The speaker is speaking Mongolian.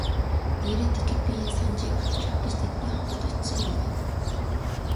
Нээрээ тэгэхэд би энэ Санжийг авчрах гэж тэдний хотод очсон юм байна.